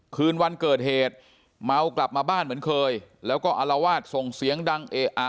คืนวันเกิดเหตุเมากลับมาบ้านเหมือนเคยแล้วก็อารวาสส่งเสียงดังเอะอะ